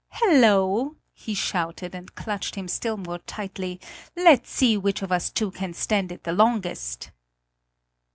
"Hello!" he shouted, and clutched him still more tightly; "let's see which of us two can stand it the longest!"